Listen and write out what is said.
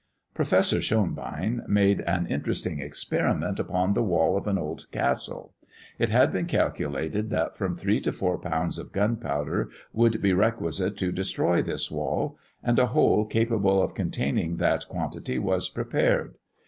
Professor Schonbein made an interesting experiment upon the wall of an old castle: it had been calculated that from three to four pounds of gunpowder would be requisite to destroy this wall, and a hole capable of containing that quantity was prepared.